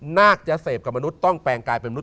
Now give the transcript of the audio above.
นาคจะเสพกับมนุษย์ต้องแปลงกลายเป็นมนุษ